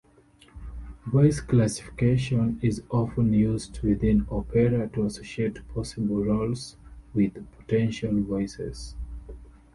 Voice classification is often used within opera to associate possible roles with potential voices.